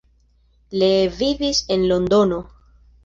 Lee vivis en Londono.